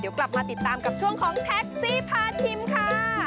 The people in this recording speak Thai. เดี๋ยวกลับมาติดตามกับช่วงของแท็กซี่พาชิมค่ะ